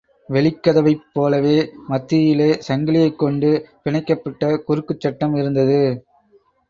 வெளிக்கதவைப் போலவே மத்தியிலே சங்கிலியைக்கொண்டு பிணைக்கப்பட்ட குறுக்குச் சட்டம் இருந்தது.